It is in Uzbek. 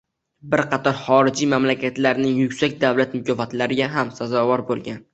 Bir qator xorijiy mamlakatlarning yuksak davlat mukofotlariga ham sazovor bo‘lgan.